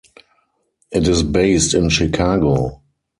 It is based in Chicago.